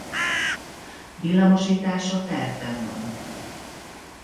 Villamosítása tervben van.